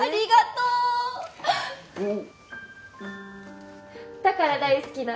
うん。